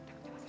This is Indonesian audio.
tengok jam atas